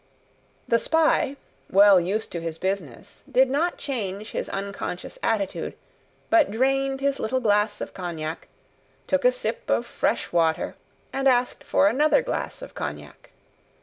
The spy, well used to his business, did not change his unconscious attitude, but drained his little glass of cognac, took a sip of fresh water, and asked for another glass of cognac.